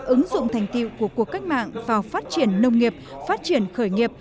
ứng dụng thành tiệu của cuộc cách mạng vào phát triển nông nghiệp phát triển khởi nghiệp